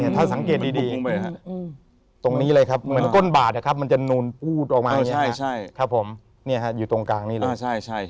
ถ้าสังเกตดีตรงนี้เลยครับเหมือนก้นบาทมันจะนูนปูดออกมาอย่างนี้ครับผมอยู่ตรงกลางนี้เลย